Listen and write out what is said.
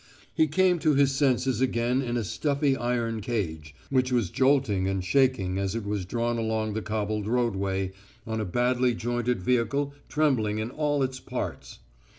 He came to his senses again in a stuffy iron cage, which was jolting and shaking as it was drawn along the cobbled roadway, on a badly jointed vehicle trembling in all its parts.